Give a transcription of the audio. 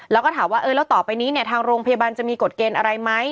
แล้วก็ถามว่าเออแล้วต่อไปนี้เนี่ยทางโรงพยาบาลจะมีกฎเกณฑ์อะไรไหม